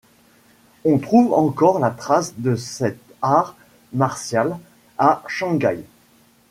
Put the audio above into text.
On trouve encore la trace de cet art martial à Shanghai.